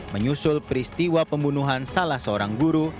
menyusul peristiwa pembunuhan salah seorang guru